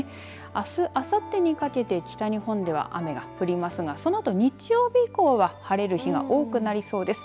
あす、あさってにかけて北日本では雨が降りますがそのあと日曜日以降は晴れる日が多くなりそうです。